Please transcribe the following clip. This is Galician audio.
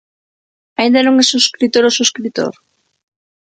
Aínda non es subscritora ou subscritor?